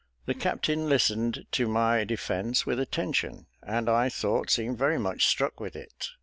The captain listened to my defence with attention, and I thought seemed very much struck with it.